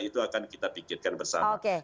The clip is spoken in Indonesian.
itu akan kita pikirkan bersama